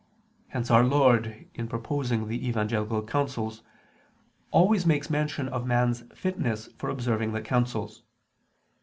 Hence Our Lord, in proposing the evangelical counsels, always makes mention of man's fitness for observing the counsels.